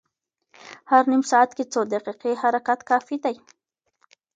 هر نیم ساعت کې څو دقیقې حرکت کافي دی.